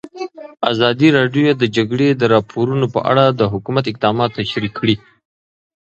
ازادي راډیو د د جګړې راپورونه په اړه د حکومت اقدامات تشریح کړي.